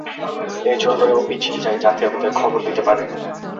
এইজন্য ও পিছিয়ে যায় যাতে ওদের খবর দিতে পারে।